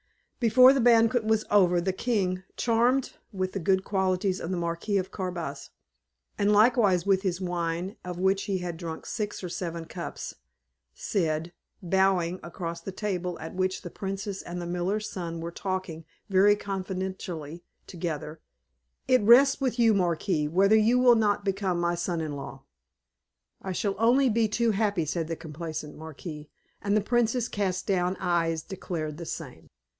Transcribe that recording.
Before the banquet was over, the king, charmed with the good qualities of the Marquis of Carabas and likewise with his wine, of which he had drunk six or seven cups said, bowing across the table at which the princess and the miller's son were talking very confidentially together, "It rests with you, Marquis, whether you will not become my son in law." "I shall be only too happy," said the complaisant Marquis, and the princess's cast down eyes declared the same.